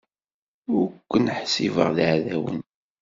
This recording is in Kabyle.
Ur ken-ḥsibeɣ d iɛdawen.